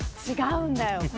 違うんだよ。